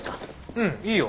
うんいいよ。